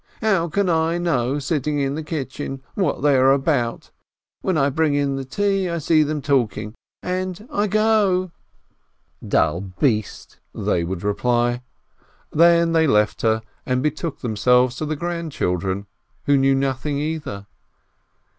"How can I know, sitting in the kitchen, what they are about? When I bring in the tea, I see them talking, and I go !" "Dull beast !" they would reply. Then they left her, and betook themselves to the grandchildren, who knew nothing, either.